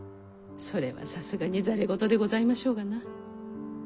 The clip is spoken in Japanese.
それはさすがに戯れ言でございましょうがな。